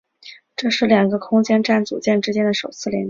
这是两个空间站组件之间的首次连接。